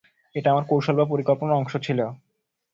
এটা আমার কৌশল বা পরিকল্পনার অংশ ছিল।